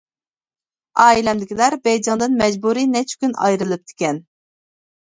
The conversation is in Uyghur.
ئائىلەمدىكىلەر بېيجىڭدىن مەجبۇرىي نەچچە كۈن ئايرىلىپتىكەن.